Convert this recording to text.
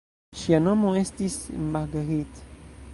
Ŝia nomo estis Marguerite.